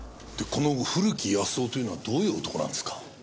でこの古木保男というのはどういう男なんですか？